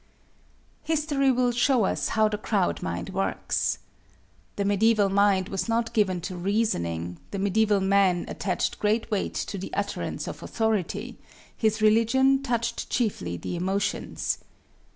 " History will show us how the crowd mind works. The medieval mind was not given to reasoning; the medieval man attached great weight to the utterance of authority; his religion touched chiefly the emotions.